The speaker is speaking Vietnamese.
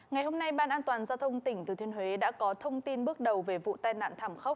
ngày hôm nay ban an toàn giao thông tỉnh thừa thiên huế đã có thông tin bước đầu về vụ tai nạn thảm khốc